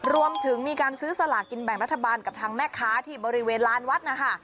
รวมถึงมีการซื้อสลากินแบ่งรัฐบาลกับทางแม่ค้าที่บริเวณลานวัดนะคะ